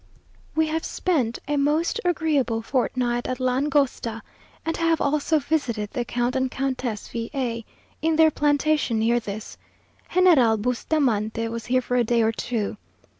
We have spent a most agreeable fortnight at La Angosta, and have also visited the Count and Countess V a, in their plantation near this. General Bustamante was here for a day or two.